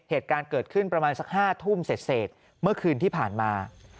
เหตุการณ์เกิดขึ้นประมาณสัก๕ทุ่มเสร็จเมื่อคืนที่ผ่านมา